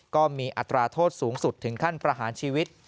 ก็มีอัตราโทษสูงสุดถึงขั้นประหารชีวิต